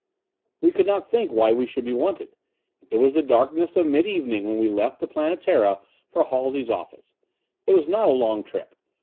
We could not think why we should be wanted. It was the darkness of mid evening when we left the Planetara for Halsey's office. It was not a long trip.